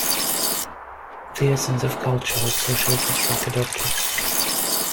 The essence of culture is socially constructed objects.